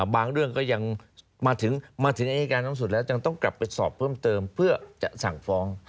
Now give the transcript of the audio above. บางเรื่องก็ยังมาถึงอายการสูงสุดแล้วยังต้องกลับไปสอบเพิ่มเติมเพื่อจะสั่งฟ้อง